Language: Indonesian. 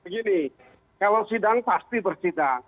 begini kalau sidang pasti bersidang